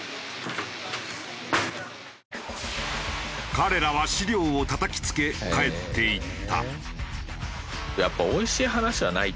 彼らは資料をたたきつけ帰っていった。